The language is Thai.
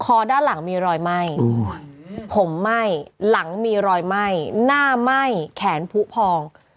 คอด้านหลังมีรอยไหม้ผมไหม้หลังมีรอยไหม้หน้าไหม้แขนผู้พอง